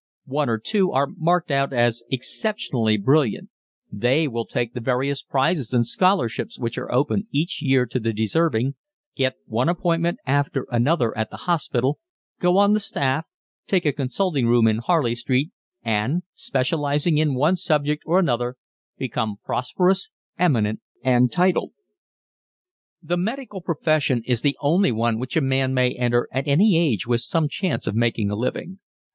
One or two are marked out as exceptionally brilliant: they will take the various prizes and scholarships which are open each year to the deserving, get one appointment after another at the hospital, go on the staff, take a consulting room in Harley Street, and, specialising in one subject or another, become prosperous, eminent, and titled. The medical profession is the only one which a man may enter at any age with some chance of making a living.